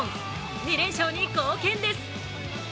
２連勝に貢献です。